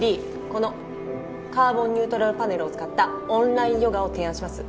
このカーボンニュートラルパネルを使ったオンラインヨガを提案します